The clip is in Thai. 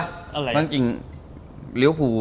เพราะจริงลิวส์ฟู